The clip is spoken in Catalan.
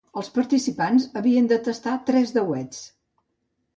Els participants havien de tastar tres dauets.